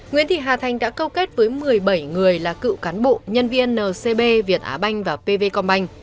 nguyễn thị hà thành đã câu kết với một mươi bảy người là cựu cán bụ nhân viên ncb việt á banh và pv com banh